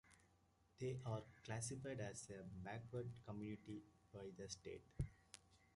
They are classified as a backward community by the state.